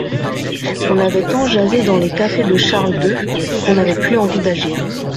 On avait tant jasé dans les cafés de Charles deux, qu'on n'avait plus envie d'agir.